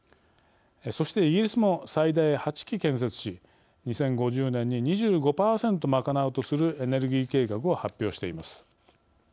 そしてイギリスも最大８基建設し２０５０年に２５％賄うとするエネルギー計画を発表しています。